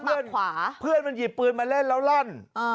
เออเพื่อนมันหยิบปืนมาเล่นแล้วลั่น